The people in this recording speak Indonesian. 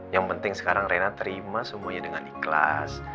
yang penting sekarang reina terima semuanya dengan ikhlas